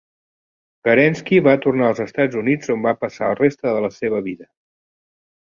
Kerensky va tornar als Estats Units, on va passar la resta de la seva vida.